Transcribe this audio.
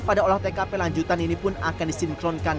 pada olah tkp lanjutan ini pun akan disinkronkan